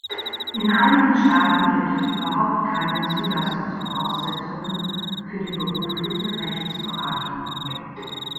In einigen Staaten gibt es überhaupt keine Zulassungsvoraussetzungen für die berufliche Rechtsberatung.